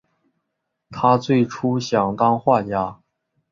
他最初想当画家。